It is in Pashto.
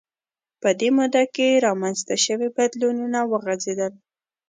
په دې موده کې رامنځته شوي بدلونونه وغځېدل